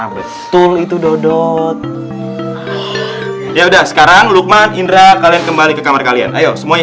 betul itu dodot ya udah sekarang lukman indra ah kalau kembali ki kamera kalian ayo semuanya